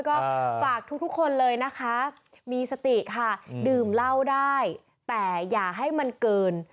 ก็ฝากทุกคนเลยนะคะมีสติค่ะดื่มเหล้าได้แต่อย่าให้มันเกิน